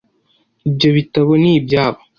Ibyo bitabo ni ibyabo .